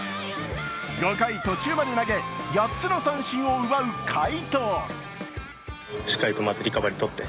５回途中まで投げ８つの三振を奪う快投。